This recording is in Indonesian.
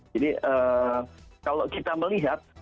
jadi kalau kita melihat